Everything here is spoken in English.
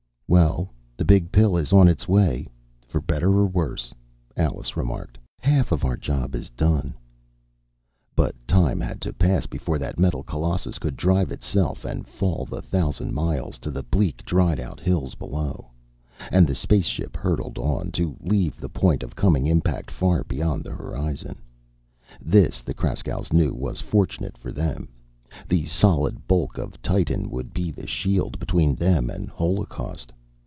"Well, the Big Pill is on its way for better or worse," Alice remarked. "Half of our job is done." But time had to pass before that metal colossus could drive itself and fall the thousand miles to the bleak, dried out hills below. And the space ship hurtled on, to leave the point of coming impact far beyond the horizon. This, the Kraskows knew, was fortunate for them. The solid bulk of Titan would be the shield between them and holocaust.